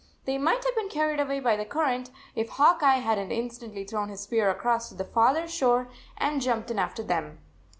They might have been carried away by the current, if Hawk Eye had n t instantly thrown his spear across to the farther shore and jumped in after them.